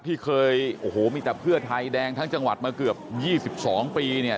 ที่เคยโอ้โหมีแต่เพื่อไทยแดงทั้งจังหวัดมาเกือบ๒๒ปีเนี่ย